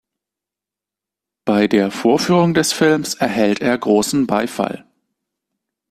Bei der Vorführung des Films erhält er großen Beifall.